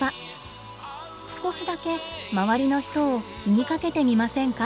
少しだけ周りの人を気にかけてみませんか？